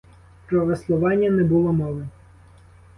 Про веслування не було мови.